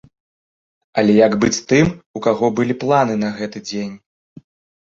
Але як быць тым, у каго былі планы на гэты дзень?